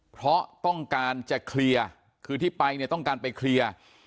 เพราะต้องการจะเคลียร์คือที่ไปเนี่ยต้องการไปเคลียร์